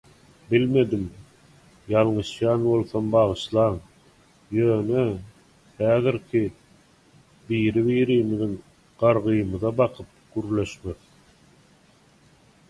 Bilmedim, ýalňyşýan bolsam bagyşlaň, ýöne häzirki biri-birimiziň gargymyza bakyp gürleşmek